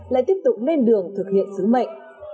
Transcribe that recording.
lại tiếp tục lên đường thực hiện sứ mệnh